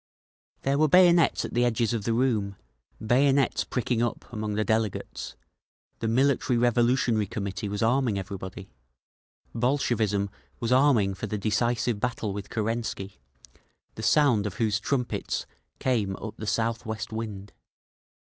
There were bayonets at the edges of the room, bayonets pricking up among the delegates; the Military Revolutionary Committee was arming everybody, Bolshevism was arming for the decisive battle with Kerensky, the sound of whose trumpets came up the south west wind….